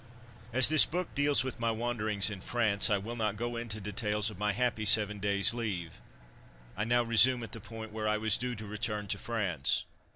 As this book deals with my wanderings in France I will not go into details of my happy seven days' leave. I now resume at the point where I was due to return to France.